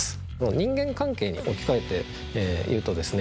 人間関係に置き換えて言うとですね